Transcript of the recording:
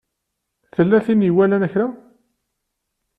Tella tin i iwalan kra?